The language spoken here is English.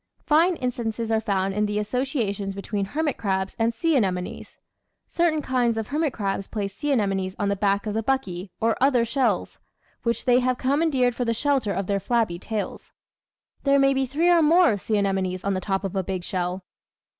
Fine instances are found in the associations be tween hermit crabs and sea anemones. Certain kinds of hermit crabs place sea anemones on the back of the buckie or other shells 652 The Outline of Science which they have commandeered for the shelter of their flabby tails. There may be three or more sea anemones on the top of a big shell.